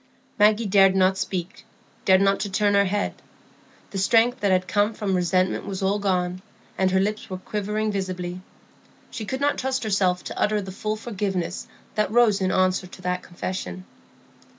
Maggie dared not speak, dared not turn her head. The strength that had come from resentment was all gone, and her lips were quivering visibly. She could not trust herself to utter the full forgiveness that rose in answer to that confession.